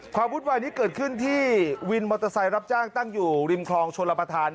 ความบุตรว่านี้เกิดขึ้นที่วินมอเตอร์ไซต์รับจ้างตั้งอยู่ริมคลองชนรพธาร